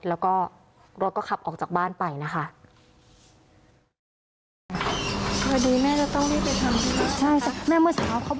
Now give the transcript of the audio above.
แล้วก็รถก็ขับออกจากบ้านไปนะคะ